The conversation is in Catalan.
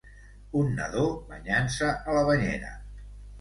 Un nadó banyant-se a la banyera.